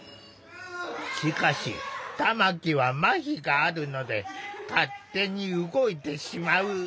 しかし玉木はまひがあるので勝手に動いてしまう。